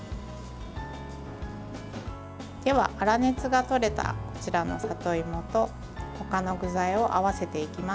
粗熱がとれたこちらの里芋と他の具材を合わせていきます。